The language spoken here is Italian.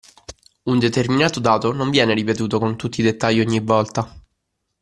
Un determinato dato non viene ripetuto, con tutti i dettagli, ogni volta.